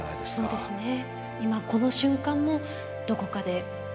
そうですよね。